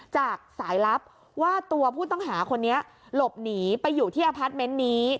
จากสายลับว่าตัวผู้ต้องหาคนนี้หลบหนีไปอยู่ที่อพาร์ทเมนต์นี้